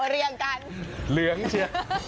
เหลืองกัน